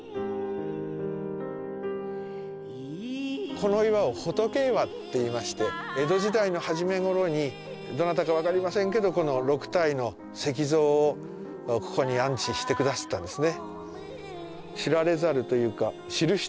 この岩を「仏岩」っていいまして江戸時代の初め頃にどなたか分かりませんけどこの６体の石像をここに安置してくださったんですね。